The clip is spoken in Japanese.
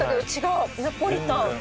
ナポリタン。